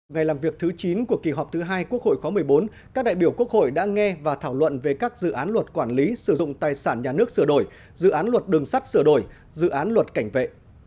ngày làm việc thứ chín của kỳ họp thứ hai quốc hội khóa một mươi bốn các đại biểu quốc hội đã nghe và thảo luận về các dự án luật quản lý sử dụng tài sản nhà nước sửa đổi dự án luật đường sắt sửa đổi dự án luật cảnh vệ